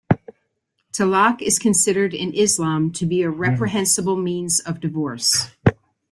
Talaq is considered in Islam to be a reprehensible means of divorce.